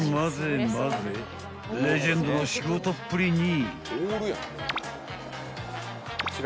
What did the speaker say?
［レジェンドの仕事っぷりに］